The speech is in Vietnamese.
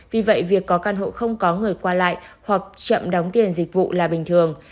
vì vậy việc có căn hộ không có người qua lại hoặc chậm đóng tiền dịch vụ là bình thường